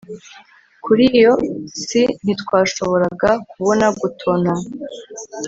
kuri iyo si ntitwashoboraga kubona, gutontoma